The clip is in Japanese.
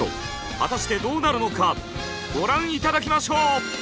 果たしてどうなるのかご覧頂きましょう！